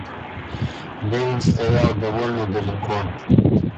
Левин стоял довольно далеко.